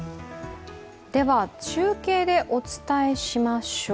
中継でお伝えしましょう。